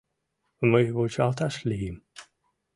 Мый вучалташ лийым.